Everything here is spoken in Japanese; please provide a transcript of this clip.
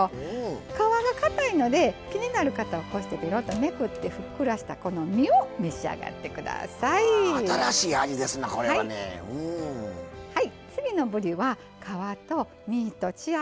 皮がかたいので気になる方は、こうしてめくってふっくらした身を召し上がってください。